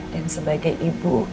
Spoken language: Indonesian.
dan sebagai ibu